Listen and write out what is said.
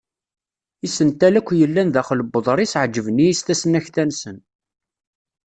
Isental akk yellan daxel n uḍris ɛejven-iyi s tesnakta-nsen.